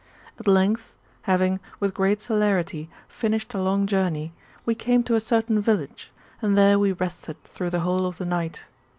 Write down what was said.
At length, having, with great celerity, finished a long journey, we came to a certain village, and there we rested through the whole of the night.